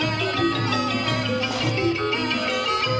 โอเคครับ